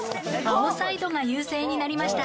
青サイドが優勢になりました。